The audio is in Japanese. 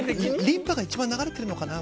リンパが一番流れてるのかな